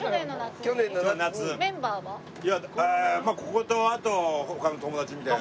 こことあと他の友達みたいな。